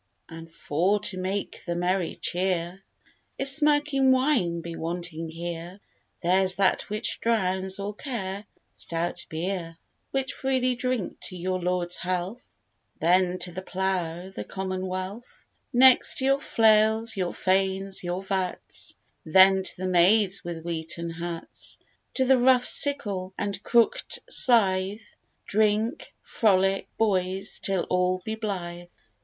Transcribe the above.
And for to make the merry cheer, If smirking wine be wanting here, There's that which drowns all care, stout beer: Which freely drink to your lord's health Then to the plough, the common wealth; Next to your flails, your fanes, your vats; Then to the maids with wheaten hats: To the rough sickle, and crookt scythe, Drink, frolic, boys, till all be blythe.